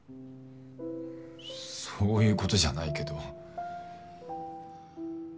そういうことじゃないけど。